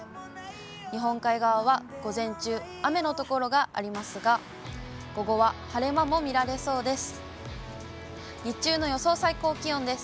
日本海側は午前中、雨の所がありますが、午後は晴れ間も見られそうです。